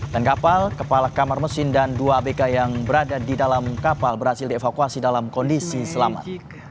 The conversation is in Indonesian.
dan kapal kepala kamar mesin dan dua abk yang berada di dalam kapal berhasil dievakuasi dalam kondisi selamat